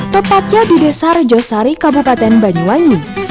tepatnya di desa rejo sari kabupaten banyuwangi